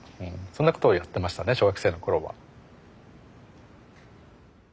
そんなことをやってましたね小学生の頃は。